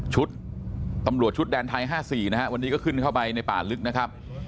ตำรวจชุดแดนไทย๕๔นะฮะวันนี้ก็ขึ้นเข้าไปในป่าลึกนะครับ